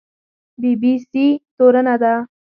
بي بي سي تورنه ده